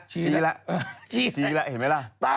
ชี้ละเห็นไหมล่ะ